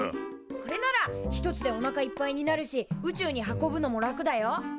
これなら１つでおなかいっぱいになるし宇宙に運ぶのも楽だよ。